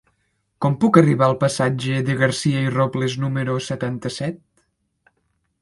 Com puc arribar al passatge de Garcia i Robles número setanta-set?